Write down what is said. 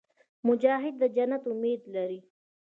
مجاهد د جنت امید لري.